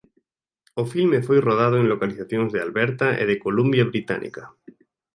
O filme foi rodado en localizacións de Alberta e de Columbia Británica.